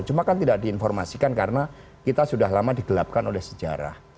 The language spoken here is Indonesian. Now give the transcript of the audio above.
cuma kan tidak diinformasikan karena kita sudah lama digelapkan oleh sejarah